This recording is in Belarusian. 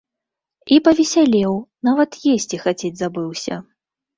І павесялеў, нават есці хацець забыўся.